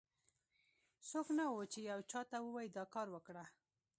څوک نه و، چې یو چا ته ووایي دا کار وکړه.